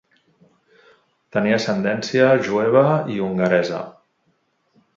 Tenia ascendència jueva i hongaresa.